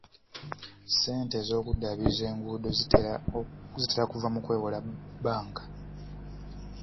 Ssente ez'okuddaabiriza enguudo zitera kuva mu kwewola bbanka.